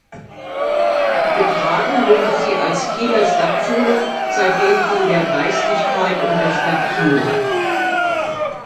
Getragen wurde sie als "Kieler Stadtschule" seitdem von der Geistlichkeit und der Stadt Kiel.